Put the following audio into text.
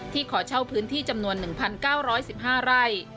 ขอเช่าพื้นที่จำนวน๑๙๑๕ไร่